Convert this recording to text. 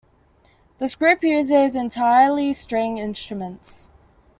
This group uses entirely string instruments.